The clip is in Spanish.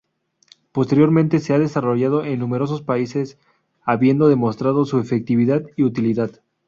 Posteriormente se han desarrollado en numerosos países, habiendo demostrado su efectividad y utilidad.